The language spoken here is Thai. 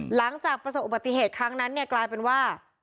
หลังจากประสบอุบัติเหตุครั้งนั้นเนี่ยกลายเป็นว่า